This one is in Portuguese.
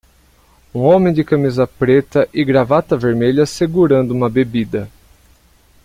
Um homem de camisa preta e gravata vermelha segurando uma bebida.